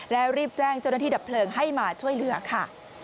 แล้วรีบแจ้งเจ้าหน้าที่ดับเพลิงให้มาช่วยเหลือค่ะ